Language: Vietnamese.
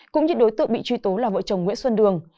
cũng như đối tượng bị truy tố là vợ chồng nguyễn xuân đường